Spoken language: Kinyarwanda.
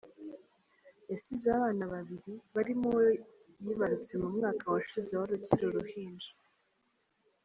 Yasize abana babiri barimo uwo yibarutse mu mwaka washize wari ukiri uruhinja.